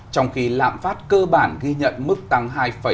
trong khi lạm phát cơ bản ghi nhận mức tăng hai tám mươi một